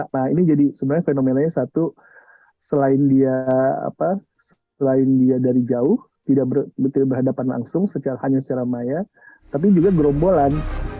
nah ini jadi sebenarnya fenomenanya satu selain dia selain dia dari jauh tidak berhadapan langsung hanya secara maya tapi juga gerombolan